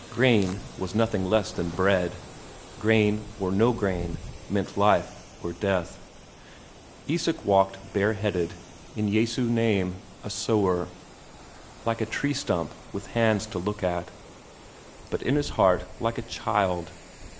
Corn was nothing less than bread; corn or no corn meant life or death. Isak walked bareheaded, in Jesu name, a sower. Like a tree stump with hands to look at, but in his heart like a child.